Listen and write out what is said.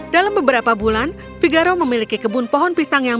dalam beberapa bulan figaro memiliki kebun pohon